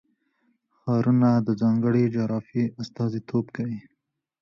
ښارونه د ځانګړې جغرافیې استازیتوب کوي.